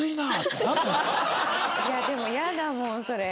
いやでもやだもんそれ。